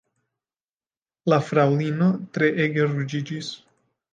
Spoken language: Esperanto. La fraŭlino treege ruĝiĝis.